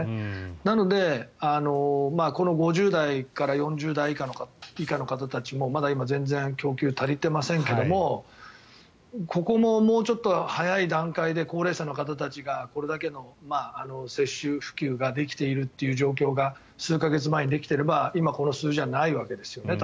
なので、この５０代から４０代以下の方たちもまだ今、全然供給足りていませんけれどもここももうちょっと早い段階で高齢者の方たちがこれだけの接種普及ができているという状況が数か月前にできていれば今、この数字はないわけですよね。